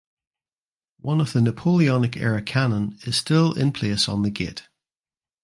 One of the Napoleonic era canon is still in place on the gate.